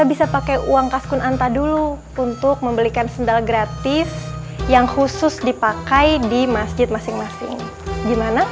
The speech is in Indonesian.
atau bisa pakai uang kaskun anta dulu untuk membelikan sendal gratis yang khusus dipakai di masjid masing masing